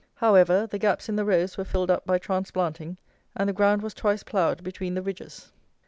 However, the gaps in the rows were filled up by transplanting; and the ground was twice ploughed between the ridges.